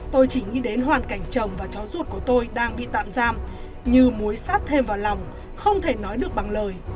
tôi chỉ nghĩ đến hoàn cảnh chồng và cháu ruột của tôi đang bị tạm giam như mối sát thêm vào lòng không thể nói được bằng lời